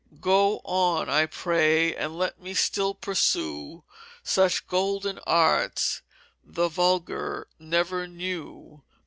Go on! I pray, and let me still Pursue Such Golden Arts the Vulgar never knew."